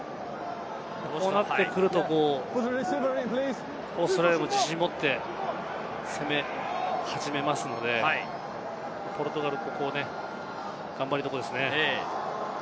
こうなってくるとオーストラリアも自信を持って攻め始めますので、ポルトガルここ、頑張りどころですね。